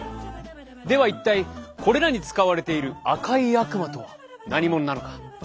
では一体これらに使われている赤い悪魔とは何者なのか。